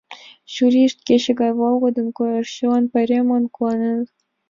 Чурийышт кече гай волгыдын коеш, чыланат пайремлан куаненыт.